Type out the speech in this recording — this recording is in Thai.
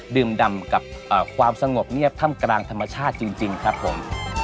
ดื่มดำกับความสงบเงียบถ้ำกลางธรรมชาติจริงครับผม